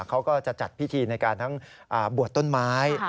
เขาก็จะจัดพิธีในการทั้งบวชต้นไม้